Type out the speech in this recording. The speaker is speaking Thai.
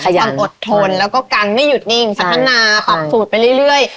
ความอดทนแล้วก็การไม่หยุดนิ่งพัฒนาปรับสูตรไปเรื่อย